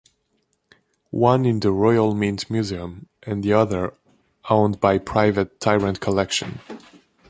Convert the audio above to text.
One in the Royal Mint Museum and the other owned by private Tyrant Collection.